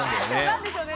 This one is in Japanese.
何でしょうね。